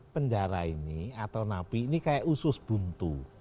penjara ini atau napi ini kayak usus buntu